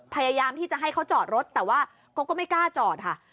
พยายามที่จะให้เขาจอดรถแต่ว่าเขาก็ไม่กล้าจอดค่ะ